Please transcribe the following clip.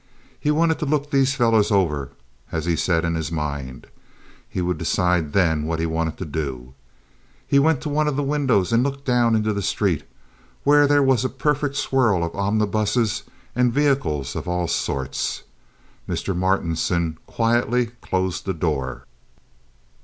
He wanted to "look these fellys over," as he said in his mind. He would decide then what he wanted to do. He went to one of the windows and looked down into the street, where there was a perfect swirl of omnibuses and vehicles of all sorts. Mr. Martinson quietly closed the door.